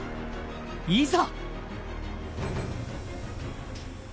いざ！